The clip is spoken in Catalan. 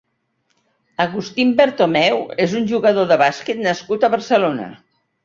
Agustín Bertomeu és un jugador de bàsquet nascut a Barcelona.